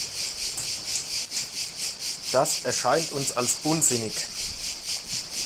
Das erscheint uns als unsinnig.